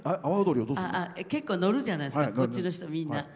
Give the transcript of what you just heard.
結構、のるじゃないですかこっちの人、みんな。